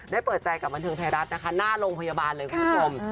เปิดใจกับบันเทิงไทยรัฐนะคะหน้าโรงพยาบาลเลยคุณผู้ชม